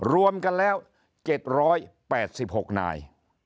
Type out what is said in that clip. รวมกันแล้ว๗๘๖นาย